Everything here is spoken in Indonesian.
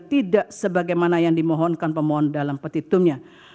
tidak sebagaimana yang dimohonkan pemohon dalam petitumnya